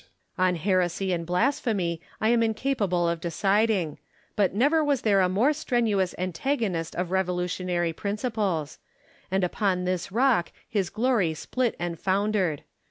On heresy and blasphemy I am incapable of decid ing ; but never was there a more strenuous antagonist of revolutionary principles ; and upon this rock his glory split and foundered.